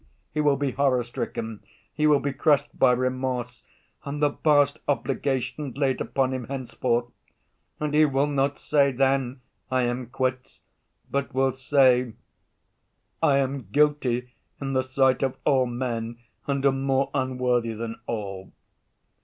He will be horror‐stricken; he will be crushed by remorse and the vast obligation laid upon him henceforth. And he will not say then, 'I am quits,' but will say, 'I am guilty in the sight of all men and am more unworthy than all.